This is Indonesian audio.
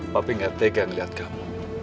tapi enggak tegang lihat kamu